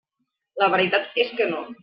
La veritat és que no.